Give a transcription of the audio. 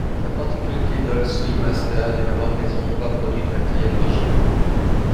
La particularité d'Old Swing-Master est de n'avoir quasiment pas produit de matériel original.